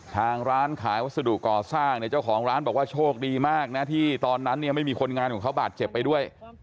ทางร้านขายวัสดุก่อสร้างเนี่ยเจ้าของร้านบอกว่าโชคดีมากนะที่ตอนนั้นเนี่ยไม่มีคนงานของเขาบาดเจ็บไปด้วย